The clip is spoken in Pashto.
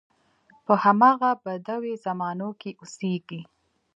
په همغه بدوي زمانو کې اوسېږي.